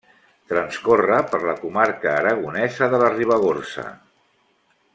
Transcorre per la comarca aragonesa de la Ribagorça.